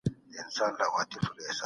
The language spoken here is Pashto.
کمپيوټر فايل کاپي کوي.